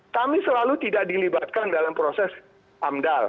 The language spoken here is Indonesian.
kami selalu tidak dilibatkan dalam proses amdal